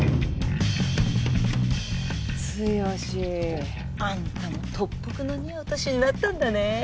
剛あんたも特服の似合う年になったんだね。